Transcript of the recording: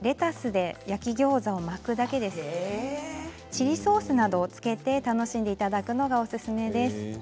チリソースなどをつけて楽しんでいただくのがおすすめです。